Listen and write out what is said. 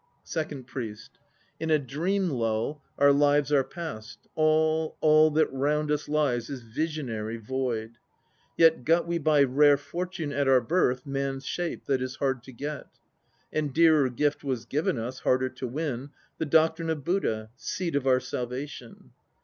SECOND PRIEST. In a dream lull our lives are passed; all, all That round us lies Is visionary, void. Yet got we by rare fortune at our birth Man's shape, that is hard to get; And dearer gift was given us, harder to win, The doctrine of Buddha, seed of our Salvation.